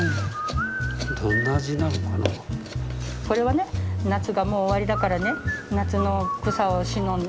これはね夏がもう終わりだからね夏の草をしの。